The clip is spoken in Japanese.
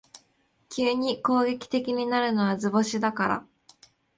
急に攻撃的になるのは図星だから